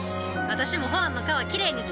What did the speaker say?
私もホアンの川きれいにする！